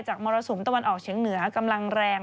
มรสุมตะวันออกเฉียงเหนือกำลังแรง